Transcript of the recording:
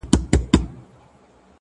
پوهه د ذهن بندیزونه راکموي,